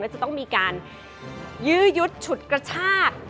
จะต้องมีการยื้อยุดฉุดกระชาก